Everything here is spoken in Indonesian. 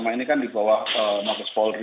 ini kan dibawa mabes polri